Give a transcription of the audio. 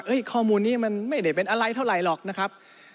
ข้อมูลนี้มันไม่ได้เป็นอะไรเท่าไหร่หรอกนะครับ